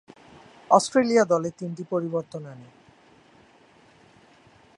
Australia দলে তিনটি পরিবর্তন আনে।